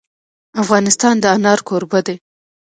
افغانستان د انار کوربه دی.